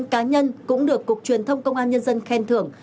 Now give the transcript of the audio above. một mươi chín cá nhân cũng được cục truyền thông công an nhân dân khen thưởng